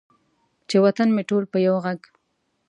چې وطن مې ټول په یو ږغ،